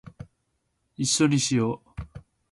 一緒にしよ♡